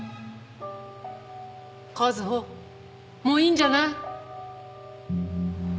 もういいんじゃない？